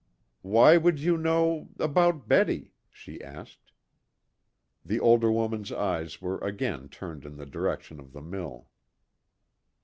"Why would you know about Betty?" she asked. The older woman's eyes were again turned in the direction of the mill.